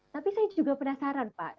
tapi saya juga penasaran pak